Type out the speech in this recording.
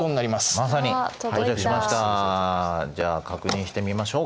じゃあ確認してみましょうか。